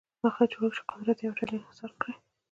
هغه جوړښت چې قدرت د یوې ډلې انحصار کړي.